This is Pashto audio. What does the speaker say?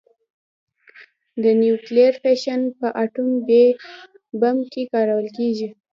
د نیوکلیر فیشن په اټوم بم کې کارول کېږي.